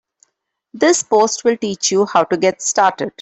This post will teach you how to get started.